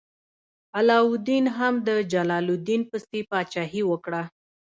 علاوالدین هم د جلال الدین پسې پاچاهي وکړه.